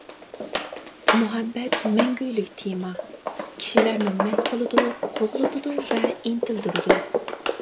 مۇھەببەت مەڭگۈلۈك تېما، كىشىلەرنى مەست قىلىدۇ، قوغلىتىدۇ ۋە ئىنتىلدۈرىدۇ.